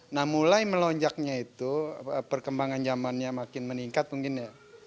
nah mulai melonjaknya itu perkembangan zamannya makin meningkat mungkin ya